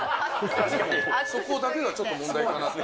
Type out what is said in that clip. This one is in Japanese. そこだけがちょっと問題かなと。